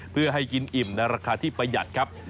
เพื่อให้กินอิ่มในราคาที่ประหยัดครับ